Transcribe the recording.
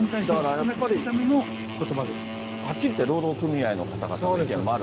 やっぱりはっきり言って労働組合の方の意見もある、